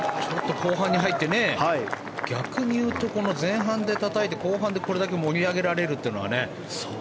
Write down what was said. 後半に入って逆に言うと、前半でたたいて後半でこれだけ盛り上げられるというのはね。